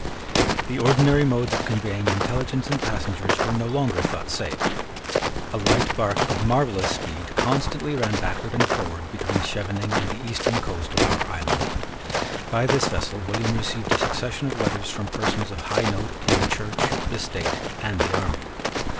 The ordinary modes of conveying intelligence and passengers were no longer thought safe. A light bark of marvellous speed constantly ran backward and forward between Schevening and the eastern coast of our island. By this vessel William received a succession of letters from persons of high note in the Church, the state, and the army.